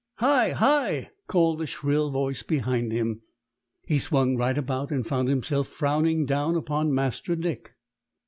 "Hi! hi!" called a shrill voice behind him. He swung right about and found himself frowning down upon Master Dick.